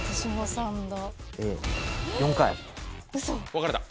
分かれた。